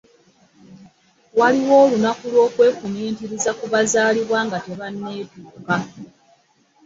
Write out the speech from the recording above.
Waliwo olunnaku lw'okwefumintiriza ku bazalibwa nga tebaneetuka.